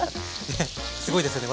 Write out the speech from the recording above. すごいですよね